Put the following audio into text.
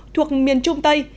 thuộc miền trung tây